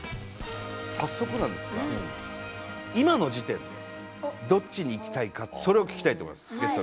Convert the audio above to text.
早速なんですが今の時点でどっちに行きたいかそれを聞きたいと思います。